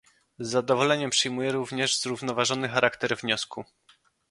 Z zadowoleniem przyjmuję również zrównoważony charakter wniosku